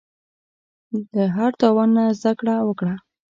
له هر تاوان نه زده کړه وکړه.